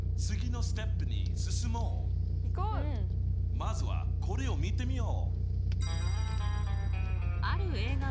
まずはこれを見てみよう！